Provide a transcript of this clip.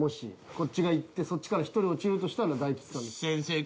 こっちが行ってそっちから１人落ちるとしたら大吉さん。